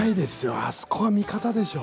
あそこは味方でしょう。